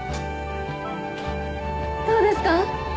どうですか？